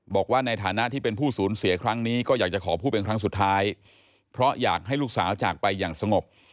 บอกว่าในฐานะที่เป็นผู้สูญเสียครั้งนี้ก็อยากจะขอพูดเป็นครั้งสุดท้ายเพราะอยากให้ลูกสาวจากไปอย่างสงบ